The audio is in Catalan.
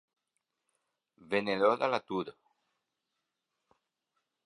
Venedor a l'atur.